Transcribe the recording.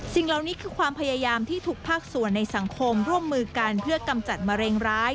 สิ่งเหล่านี้คือความพยายามที่ทุกภาคส่วนในสังคมร่วมมือกันเพื่อกำจัดมะเร็งร้าย